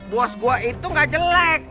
bos gua itu gak jelek